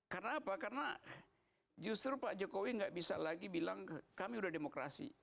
karena apa karena justru pak jokowi nggak bisa lagi bilang kami udah demokrasi